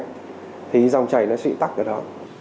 còn bị co hẹp thì dòng chảy nó sẽ bị tắc được đó